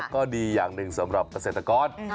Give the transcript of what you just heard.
ก็ดีอย่างหนึ่งสำหรับเกษตรกร